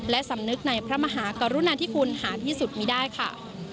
และสำนึกในพระมหากรุณาธิคุณหาที่สุดมีได้ค่ะ